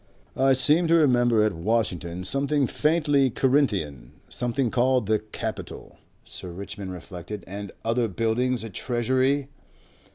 '" "I seem to remember at Washington, something faintly Corinthian, something called the Capitol," Sir Richmond reflected. "And other buildings. A Treasury."